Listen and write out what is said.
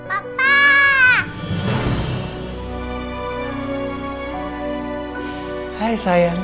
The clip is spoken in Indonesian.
bungka tuntin aku akan teringat america